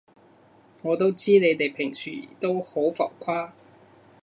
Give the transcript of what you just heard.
我都知你哋平時都好浮誇